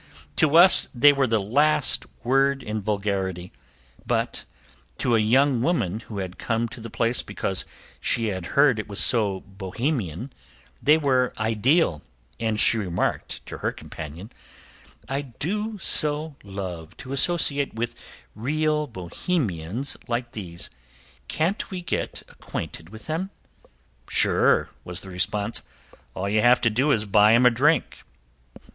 To us they were the last word in vulgarity, but to a young woman who had come to the place because she had heard it was "so Bohemian" they were ideal, and she remarked to her companion: "I do so love to associate with real Bohemians like these. Can't we get acquainted with them?" "Sure," was the response. "All we have to do is to buy them a drink."